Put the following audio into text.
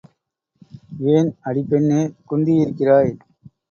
ஏன் அடி பெண்ணே, குந்தியிருக்கிறாய்?